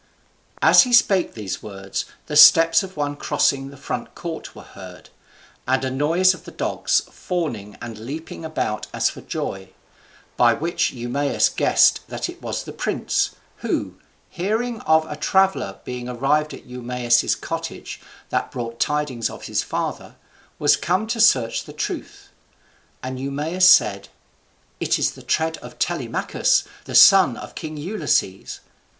As he spake these words, the steps of one crossing the front court were heard, and a noise of the dogs fawning and leaping about as for joy; by which token Eumaeus guessed that it was the prince, who, hearing of a traveller being arrived at Eumaeus's cottage that brought tidings of his father, was come to search the truth; and Eumaeus said, "It is the tread of Telemachus, the son of king Ulysses."